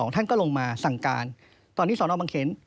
ท่านก็ลงมาสั่งการตอนที่ศบ